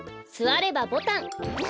すわればボタン。